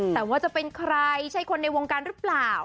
แต่ว่าจะเป็นใครใช่คนในวงการหรือเปล่า